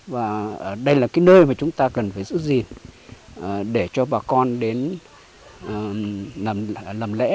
và đây là cái nơi mà chúng ta cần phải giữ gìn để cho bà con đến làm lễ